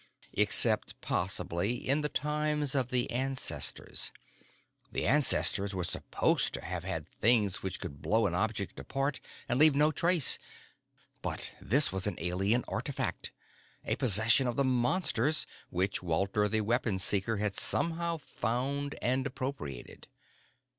Except possibly in the times of the ancestors: the ancestors were supposed to have had things which could blow an object apart and leave no trace. But this was an alien artifact, a possession of the Monsters which Walter the Weapon Seeker had somehow found and appropriated.